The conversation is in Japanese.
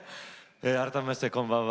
改めまして、こんばんは。